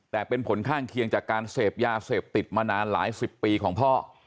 แต่เป็นผลข้างเคียงจากการเสพยาเสพติดมานานหลายสิบปีของพ่อ